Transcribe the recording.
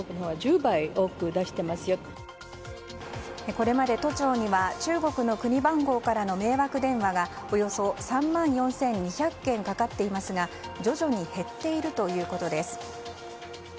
これまで都庁には中国の国番号からの迷惑電話がおよそ３万４２００件かかっていますが徐々に減っているということです。